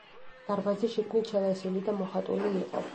დარბაზი შიგნით შელესილი და მოხატული იყო.